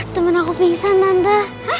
temen aku pingsan tante